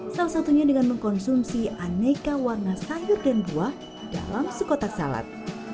salah satunya dengan mengkonsumsi aneka warna sayur dan buah dalam sekotak salad